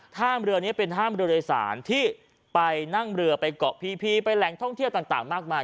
ท่ามเรือนี้เป็นท่ามเรือโดยสารที่ไปนั่งเรือไปเกาะพีไปแหล่งท่องเที่ยวต่างมากมาย